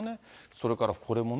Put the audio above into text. それからこれもね。